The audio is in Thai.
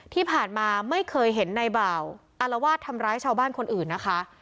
ที่ผ่านมาไม่เคยเห็นในบ่าวอารวาสทำร้ายชาวบ้านคนอื่นนะคะ